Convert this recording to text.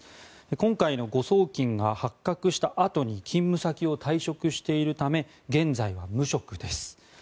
今回の誤送金が発覚したあとに勤務先を退職しているため現在は無職です。